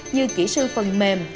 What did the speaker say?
như kỹ sư phần mềm